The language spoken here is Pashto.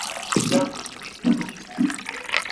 که ګدا دی که سلطان دی له انجامه نه خلاصیږي.